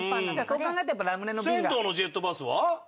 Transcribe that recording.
「銭湯のジェットバス」は？